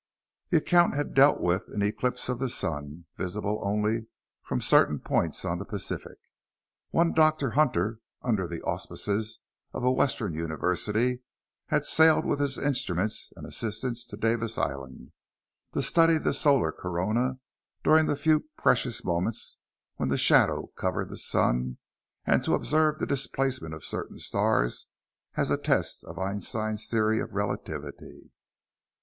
The account had dealt with an eclipse of the sun, visible only from certain points on the Pacific. One Dr. Hunter, under the auspices of a Western university, had sailed with his instruments and assistants to Davis Island, to study the solar corona during the few precious moments when the shadow covered the sun, and to observe the displacement of certain stars as a test of Einstein's theory of relativity.